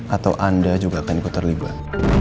atau anda juga akan ikut terlibat